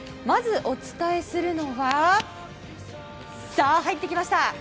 まず、お伝えするのは入ってきました